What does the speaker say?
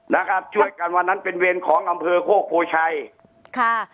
นะครับช่วยกันวันนั้นเป็นเวรของอำเภอโคกโพชัยค่ะ